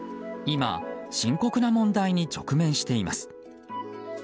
今、深刻な問題に直面しています。